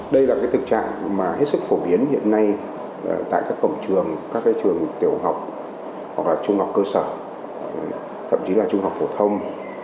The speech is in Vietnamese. đây là thực trạng mà hết sức phổ biến hiện nay tại các cổng trường các trường tiểu học hoặc là trung học cơ sở thậm chí là trung học phổ thông